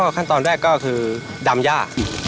ขั้นตอนแรกก็คือดำย่า